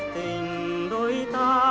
tình đôi ta